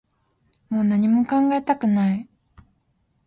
もう何も考えたくない